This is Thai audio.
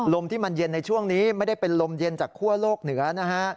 ลมที่มันเย็นในช่วงนี้ไม่ได้เป็นลมเย็นจากคั่วโลกเหนือนะฮะ